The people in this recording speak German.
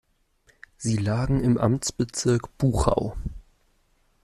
Sie lagen im Amtsbezirk Buchau.